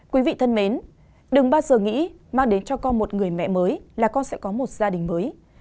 quý vị thân mến đừng bao giờ nghĩ mang đến cho con một người mẹ mới là con sẽ có một gia đình mới